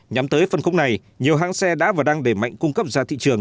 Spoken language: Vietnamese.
nhắm tới phân khúc này nhiều hãng xe đã và đang để mạnh cung cấp ra thị trường